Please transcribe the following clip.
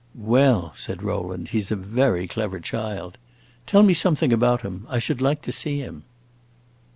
"Well," said Rowland, "he 's a very clever child. Tell me something about him: I should like to see him."